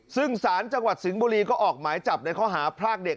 ซึ่งสารจังหวัดสิงห์บุรีก็ออกหมายจับในข้อหาพรากเด็ก